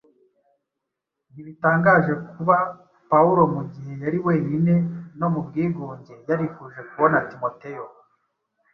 Ntibitangaje kuba Pawulo mu gihe yari wenyine no mu bwigunge yarifuje kubona Timoteyo.